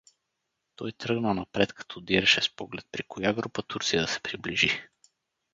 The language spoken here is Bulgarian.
Той тръгна напред, като диреше с поглед при коя група турци да се приближи.